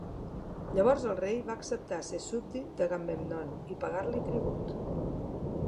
Llavors el rei va acceptar ser súbdit d'Agamèmnon i pagar-li tribut.